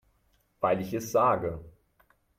Weil ich es sage.